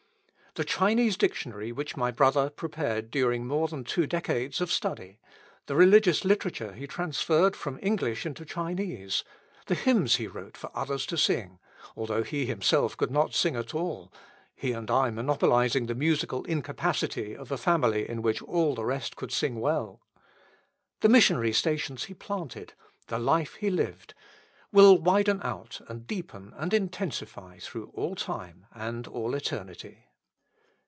The Chinese Dictionary which my brother prepared during more than two decades of study; the religious literature he transferred from English into Chinese; the hymns he wrote for others to sing, although he himself could not sing at all (he and I monopolising the musical incapacity of a family in which all the rest could sing well); the missionary stations he planted; the life he lived, will widen out and deepen and intensify through all time and all eternity.